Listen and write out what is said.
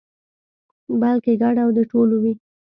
بلکې ګډ او د ټولو وي.